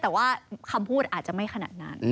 แต่ว่าคำพูดอาจจะไม่ขนาดนั้น